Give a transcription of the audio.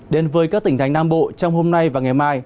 đến với các tỉnh thành nam bộ trong hôm nay và ngày mai